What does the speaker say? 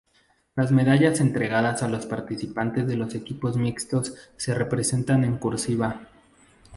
Las medallas entregadas a los participantes de los equipos mixtos se representan en cursiva.